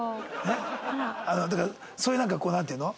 だからそういうなんかこうなんていうの？